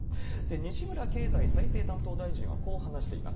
西村経済再生担当大臣はこう話しています。